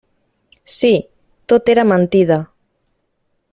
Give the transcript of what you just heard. Sí; tot era mentida.